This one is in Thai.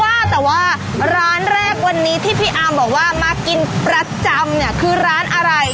ว่าแต่ว่าร้านแรกวันนี้ที่พี่อาร์มบอกว่ามากินประจำเนี่ยคือร้านอะไร